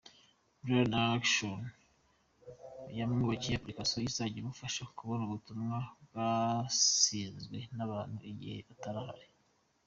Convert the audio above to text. Brian Acton, yamwubakiye application izajya imufasha kubona ubutumwa bwasizwe n’abantu igihe atari ahari.